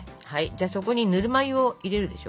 そこにぬるま湯を入れるでしょ。